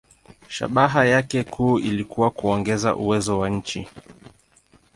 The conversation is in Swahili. Shabaha yake kuu ilikuwa kuongeza uwezo wa nchi.